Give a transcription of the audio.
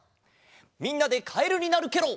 みんなでカエルになるケロ。